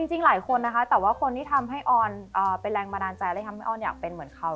จริงหลายคนนะคะแต่ว่าคนที่ทำให้ออนเป็นแรงบันดาลใจและทำให้ออนอยากเป็นเหมือนเขา